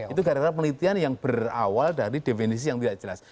itu gara gara penelitian yang berawal dari definisi yang tidak jelas